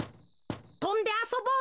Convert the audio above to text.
とんであそぼうぜ。